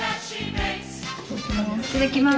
いただきます。